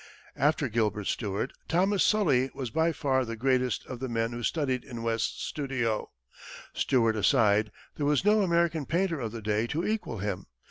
After Gilbert Stuart, Thomas Sully was by far the greatest of the men who studied in West's studio. Stuart aside, there was no American painter of the day to equal him.